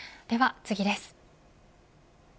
では次です。